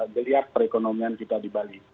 geliat perekonomian kita di bali